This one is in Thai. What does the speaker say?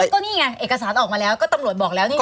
ก็นี่ไงเอกสารออกมาแล้วก็ตำรวจบอกแล้วนี่ไง